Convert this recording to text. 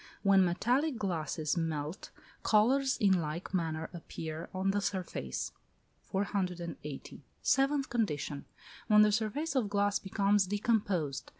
When metallic glasses melt, colours in like manner appear on the surface. 480. Seventh condition. When the surface of glass becomes decomposed.